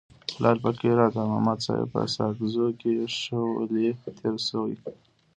لعل فقیر عطا محمد صاحب په ساکزو کي ښه ولي تیر سوی.